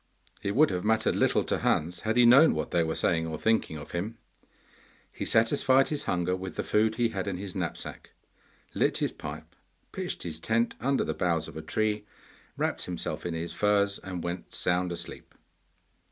It would have mattered little to Hans had he known what they were saying or thinking of him. He satisfied his hunger with the food he had in his knapsack, lit his pipe, pitched his tent under the boughs of a tree, wrapped himself in his furs, and went sound asleep.